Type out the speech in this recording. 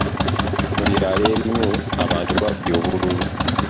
Mu byalo ebimu, abantu babbye obululu.